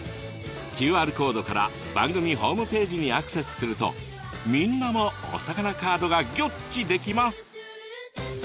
ＱＲコードから番組ホームページにアクセスするとみんなもお魚カードがギョっちできます。